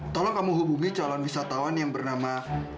tolong kamu hubungi calon wisatawan yang bernama